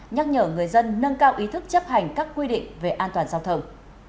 nhắc nhở người dân nâng cao ý thức chấp hành các quy định về an toàn giao thông